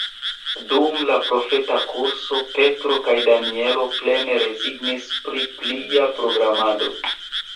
Dum la profeta kurso Petro kaj Danjelo plene rezignis pri plia programado.